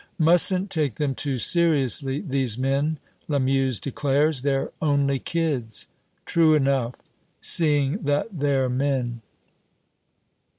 "Mustn't take them too seriously, these men," Lamuse declares; "they're only kids." "True enough, seeing that they're men."